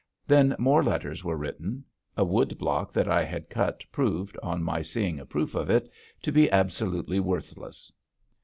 Then more letters were written. A wood block that I had cut proved, on my seeing a proof of it, to be absolutely worthless.